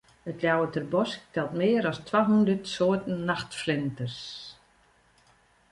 It Ljouwerter Bosk telt mear as twa hûndert soarten nachtflinters.